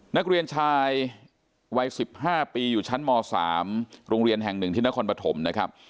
นักเรียนชายวัย๑๕ปีอยู่ชั้นม๓โรงเรียนแห่งหนึ่งที่นครปฐมนะครับ